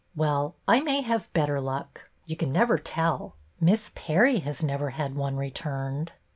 Well, I may have better luck. You can never tell. Miss Perry has never had one returned."